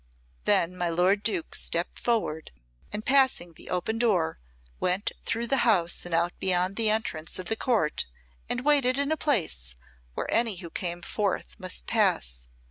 Then my lord Duke stepped forward and, passing the open door, went through the house and out beyond the entrance of the court and waited in a place where any who came forth must pass.